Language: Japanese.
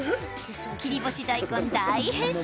切り干し大根、大変身。